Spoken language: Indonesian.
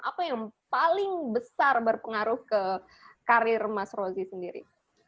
apa yang paling besar berpengaruh ke karir mas rozi sendiri